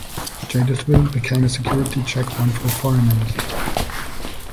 Jadotville became a security checkpoint for foreigners.